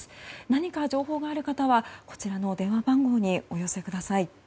何か情報がある方は、こちらの電話番号にお寄せください。